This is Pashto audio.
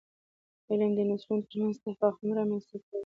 علم د نسلونو ترمنځ تفاهم رامنځته کوي.